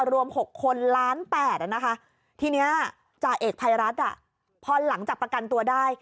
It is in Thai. รวม๖คนล้าน๘นะคะทีนี้จ่าเอกภัยรัฐพอหลังจากประกันตัวได้